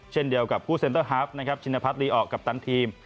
เช่นเดียวกับผู้เซนเตอร์ฮาฟชินพัฒน์รีออกกับทั้งทีม